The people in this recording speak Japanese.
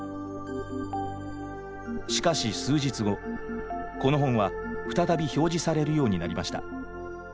しかし数日後この本は再び表示されるようになりました。